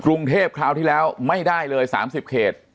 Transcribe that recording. กรุงเทพคราวที่แล้วไม่ได้เลย๓๐เขต